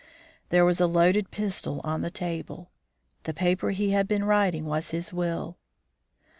There was a loaded pistol on the table. The paper he had been writing was his will.